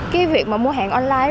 cái việc mà mua hàng online